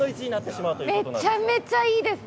めちゃめちゃいいですね。